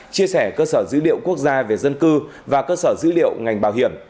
chia sẻ cơ sở dữ liệu quốc gia về dân cư và cơ sở dữ liệu ngành bảo hiểm